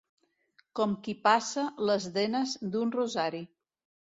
Com qui passa les denes d'un rosari.